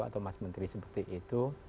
atau mas menteri seperti itu